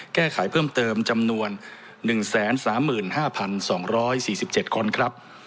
แก้ไขเพิ่มเติมจำนวนหนึ่งแสนสามหมื่นห้าพันสองร้อยสี่สิบเจ็ดคนครับ